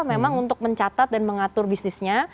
memang untuk mencatat dan mengatur bisnisnya